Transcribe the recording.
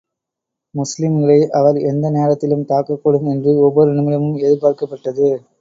முஸ்லிம்களை அவர் எந்த நேரத்திலும் தாக்கக் கூடும் என்று ஒவ்வொரு நிமிடமும் எதிர்பார்க்கப்பட்டது.